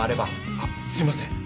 あっすいません。